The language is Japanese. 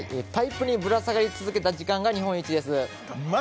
パイプにぶら下がり続けた時間が日本一です。